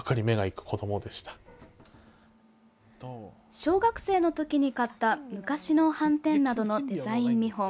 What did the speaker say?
小学生の時に買った昔のはんてんなどのデザイン見本。